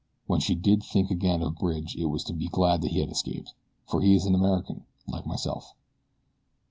When she did think again of Bridge it was to be glad that he had escaped "for he is an American, like myself."